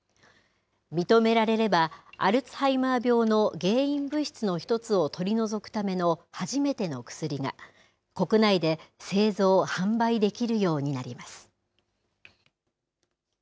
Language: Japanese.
認められれば、アルツハイマー病の原因物質の一つを取り除くための初めての薬が、国内で製造・販売できるようになります。